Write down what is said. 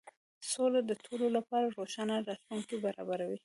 سوله د ټولو لپاره روښانه راتلونکی برابروي.